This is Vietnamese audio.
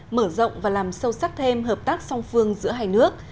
mở rộng và làm sâu sắc thêm hợp tác song phương giữa hai nước